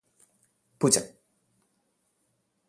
പൂച്ച